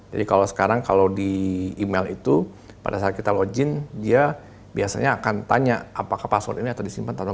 jadi kalau sekarang kalau di email itu pada saat kita login dia biasanya akan tanya apakah password ini disimpan atau tidak